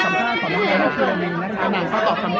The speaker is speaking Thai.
คุณผู้ชมถามนี่ก็จะเป็นการสัมภาษณ์ของนักธรรมอธิบายซักคนนะคะ